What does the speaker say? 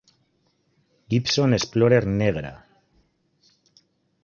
Gibson Explorer negra.